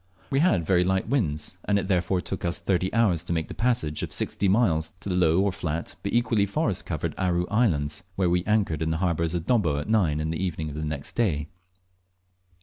We had very light winds, and it therefore took us thirty hours to make the passage of sixty miles to the low, or flat, but equally forest covered Aru Islands, where we anchored in the harbour of Dobbo at nine in the evening of the next day.